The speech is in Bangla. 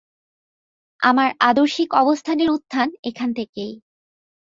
আমার আদর্শিক অবস্থানের উত্থান এখান থেকেই।